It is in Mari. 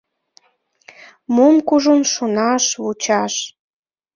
Мом кужун шонаш, вучаш?